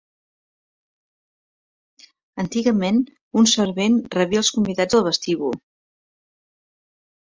Antigament, un servent rebia els convidats al vestíbul.